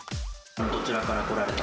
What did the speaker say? どちらから来られた？